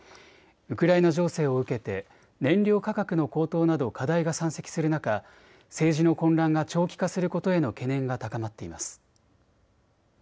ウクライナ情勢を受けて燃料価格の高騰など課題が山積する中、政治の混乱が長期化することへの懸念が高まっています。